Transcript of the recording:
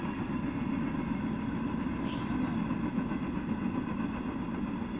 もうやらないの？